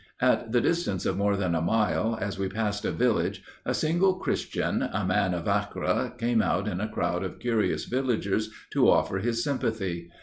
At the distance of more than a mile, as we passed a village, a single Christian, a man of Akkre, came out in a crowd of curious villagers, to offer his sympathy.